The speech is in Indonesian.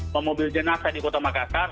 pemobil jenazah di kota makassar